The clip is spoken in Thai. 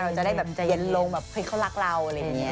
จะได้แบบใจเย็นลงแบบเฮ้ยเขารักเราอะไรอย่างนี้